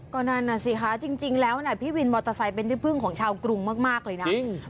ก็นั่นน่ะสิคะจริงแล้วพี่วินมอเตอร์ไซค์เป็นที่พึ่งของชาวกรุงมากเลยนะ